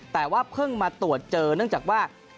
แต่ว่าเพิ่งมาตรวจเจอเนื่องจากว่า